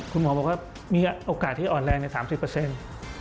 คุณหมอบอกว่ามีโอกาสที่อ่อนแรงใน๓๐เปอร์เซ็นต์